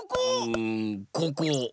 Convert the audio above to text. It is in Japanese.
うんここ！